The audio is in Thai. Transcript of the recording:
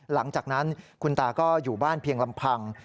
หลังจากนั้นคุณตาก็อยู่บ้านเพียงลำพัง